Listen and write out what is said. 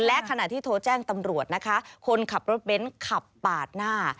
และขณะที่โทรแจ้งตำรวจนะคะคนขับรถเบ้นขับปาดหน้า